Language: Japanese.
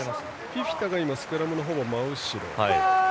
フィフィタがスクラムの真後ろ。